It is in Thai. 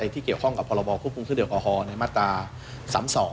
ที่เกี่ยวข้องกับประบอบควบคุมขึ้นเดียวกับออฮอล์ในมาตรา๓๒